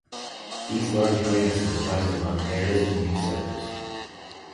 These large grants were divided among heirs and new settlers.